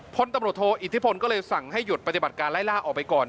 พลตำรวจโทอิทธิพลก็เลยสั่งให้หยุดปฏิบัติการไล่ล่าออกไปก่อน